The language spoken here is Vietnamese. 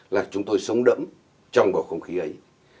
là chúng tôi sống đẫm trong bầu không khí ấy